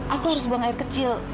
aku harus buang air kecil